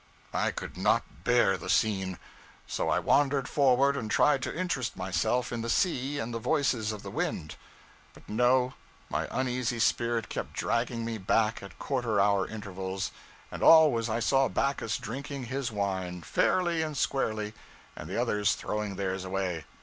I could not bear the scene, so I wandered forward and tried to interest myself in the sea and the voices of the wind. But no, my uneasy spirit kept dragging me back at quarter hour intervals; and always I saw Backus drinking his wine fairly and squarely, and the others throwing theirs away.